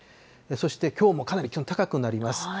そしてきょうも気温かなり高くなります。